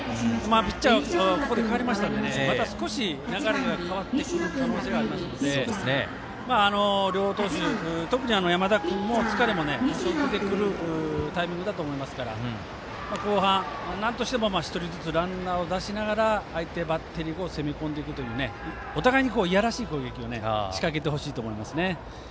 ピッチャー、ここで代わりましたのでまた少し、流れが変わってくる可能性ありますので、両投手特に山田君疲れがたまるタイミングだと思いますから後半、なんとしてもランナーを出しながら相手バッテリーも警戒すると思うので仕掛けてほしいですね。